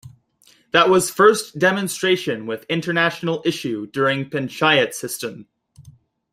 That was first demonstration with international issue during Panchayat system.